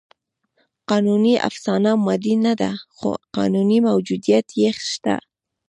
قانوني افسانه مادي نهده؛ خو قانوني موجودیت یې شته.